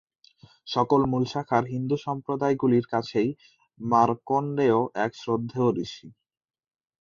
সকল মূল শাখার হিন্দু সম্প্রদায়গুলির কাছেই মার্কণ্ডেয় এক শ্রদ্ধেয় ঋষি।